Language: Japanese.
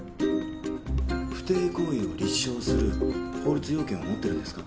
不貞行為を立証する法律用件は持ってるんですか？